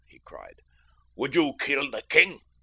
he cried. "Would you kill the king?"